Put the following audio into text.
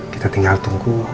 kita tinggal tunggu